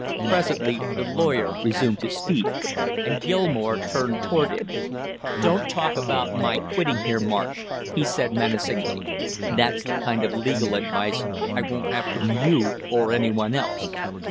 Presently the lawyer resumed his seat and Gilmore turned toward him. "Don't talk about my quitting here, Marsh," he said menacingly. "That's the kind of legal advice I won't have from you or any one else."